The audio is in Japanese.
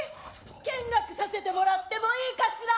見学させてもらってもいいかしら？